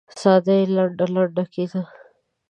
ساه يې لنډه لنډه کېده.